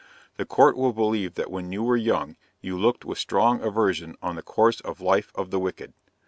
The Court will believe that when you were young you looked with strong aversion on the course of life of the wicked.